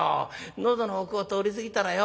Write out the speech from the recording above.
喉の奥を通り過ぎたらよ